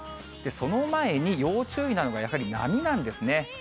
その前に、要注意なのがやはり波なんですね。